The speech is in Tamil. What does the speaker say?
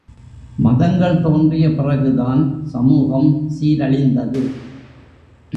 மதங்கள் தோன்றிய பிறகுதான் சமூகம் சீரழிந்தது.